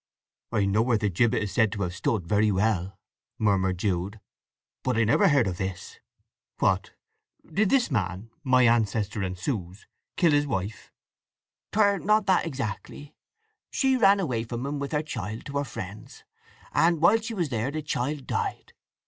"I know where the gibbet is said to have stood, very well," murmured Jude. "But I never heard of this. What—did this man—my ancestor and Sue's—kill his wife?" "'Twer not that exactly. She ran away from him, with their child, to her friends; and while she was there the child died.